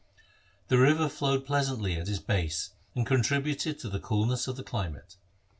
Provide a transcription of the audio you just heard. The river flowed pleasantly at its base, and contributed to the coolness of the climate.